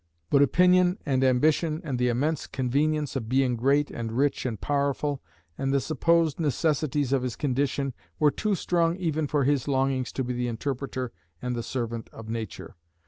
But opinion and ambition and the immense convenience of being great and rich and powerful, and the supposed necessities of his condition, were too strong even for his longings to be the interpreter and the servant of nature.